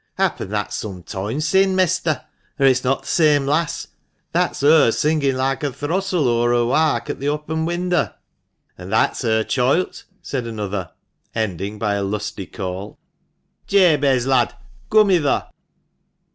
" Happen that's some toime sin', mester, or it's not th' same lass. That's her singin' like a throstle o'er her wark at the oppen winder." "And that's her choilt," said another, ending by a lusty call, " Jabez, lad, coom hither."